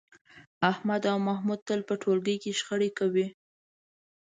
احمد او محمود تل په ټولګي کې شخړې کوي.